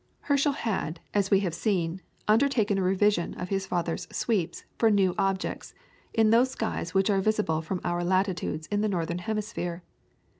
Herschel had, as we have seen, undertaken a revision of his father's "sweeps" for new objects, in those skies which are visible from our latitudes in the northern hemisphere.